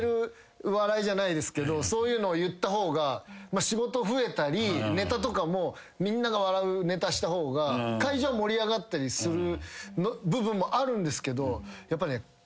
そういうのを言った方が仕事増えたりネタとかもみんなが笑うネタした方が会場は盛り上がったりする部分もあるんですけどやっぱりね。